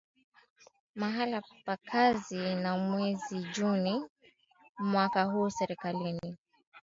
mahala pa kazi na mwezi juni mwaka huu serikali